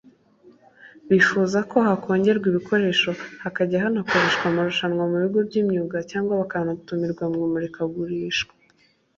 bifuza ko hakongerwa ibikoresho hakajya hanakoreshwa amarushanwa mu bigo by’imyuga cyangwa bakanatumirwa mu mamurikagurisha